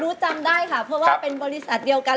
จำได้ค่ะเพราะว่าเป็นบริษัทเดียวกัน